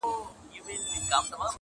• درباندي راسي دېوان په ډله -